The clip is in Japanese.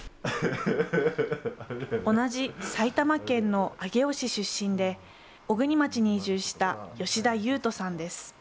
同じ埼玉県の上尾市出身で小国町に移住した吉田悠斗さんです。